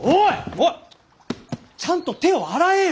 おいちゃんと手を洗えよ！